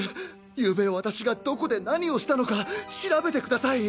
ゆうべ私がどこで何をしたのか調べて下さい！